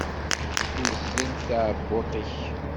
Tuzzel tɛebbuḍt-ik?